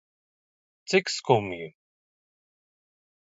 Cik skumji.